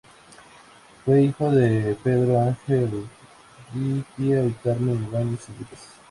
Fue hijo de "Pedro Ángel Urrutia" y "Carmen Ibáñez Henríquez".